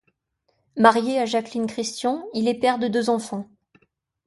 Marié à Jacqueline Christian, il est père de deux enfants.